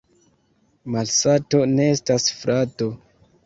Malsato ne estas frato.